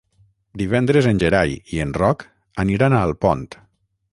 Divendres en Gerai i en Roc aniran a Alpont.